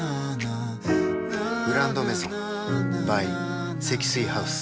「グランドメゾン」ｂｙ 積水ハウス